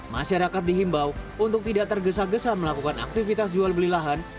masyarakat dihimbau untuk tidak tergesa gesa melakukan aktivitas jual beli lahan